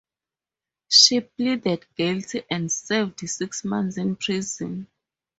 She pleaded guilty and served six months in prison.